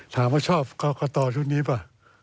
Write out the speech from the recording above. ถามว่าชอบกรกตชุดนี้ป่ะ